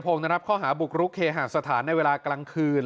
จิลภงนะครับข้อหาบุกรุกเคหาสถานในเวลางกลางคืน